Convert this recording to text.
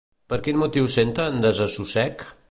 Per quin motiu senten desassossec?